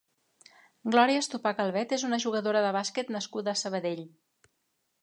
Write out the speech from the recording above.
Glòria Estopà Calvet és una jugadora de bàsquet nascuda a Sabadell.